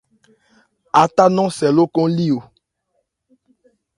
Átan nɔ̂n sɛ lókɔn li o.